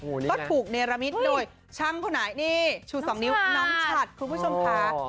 ก็ถูกเนรมิดโดยช่างของชูสองนิ้วน้องชัด